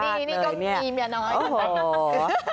ดีนี่ก็มีเมียน้อย